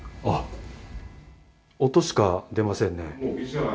あっ、音しか出ませんね。